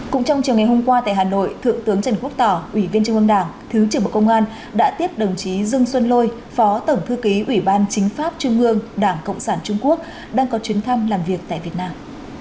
cũng trong chiều ngày hôm qua tại hà nội thượng tướng trần quốc tỏ ủy viên trung ương đảng thứ trưởng bộ công an đã tiếp đồng chí dương xuân lôi phó tổng thư ký ủy ban chính pháp trung ương đảng cộng sản trung quốc đang có chuyến thăm làm việc tại việt nam